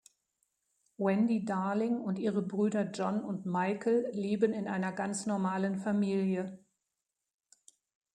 Wendy Darling und ihre Brüder John und Michael leben in einer ganz normalen Familie.